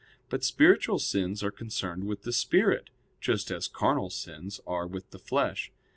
But spiritual sins are concerned with the spirit, just as carnal sins are with the flesh.